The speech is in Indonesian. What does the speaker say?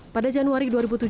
pada januari dua ribu tujuh belas